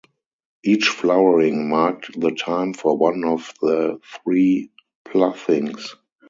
Each flowering marked the time for one of the three ploughings.